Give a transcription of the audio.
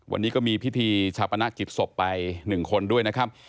วันนี้ก็มีพิธีชาปนกิจศพไป๑คนด้วยนะครับ